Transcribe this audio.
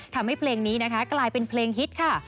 ทำให้เพลงนี้นะคะกลายเป็นเพลงฮิตค่ะ